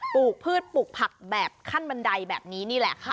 ลูกพืชปลูกผักแบบขั้นบันไดแบบนี้นี่แหละค่ะ